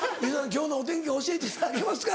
今日のお天気教えていただけますか？」